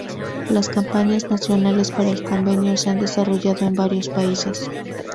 Las campañas nacionales para el Convenio se han desarrollado en varios países.